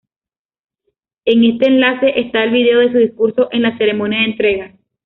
En este enlace está el vídeo de su discurso en la ceremonia de entrega.